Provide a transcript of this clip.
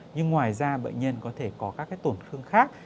nhưng ngoài ra bệnh nhân có thể có các tổn thương khác